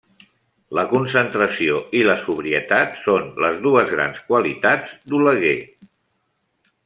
La concentració i la sobrietat són les dues grans qualitats d'Oleguer.